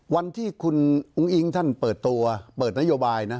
วันที่คุณอุ้งอิ๊งท่านเปิดตัวเปิดนโยบายนะ